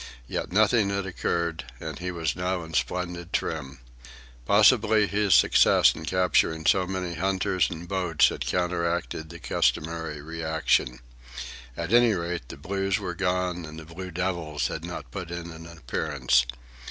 Yet nothing had occurred, and he was now in splendid trim. Possibly his success in capturing so many hunters and boats had counteracted the customary reaction. At any rate, the blues were gone, and the blue devils had not put in an appearance.